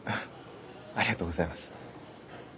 ありがとうございます。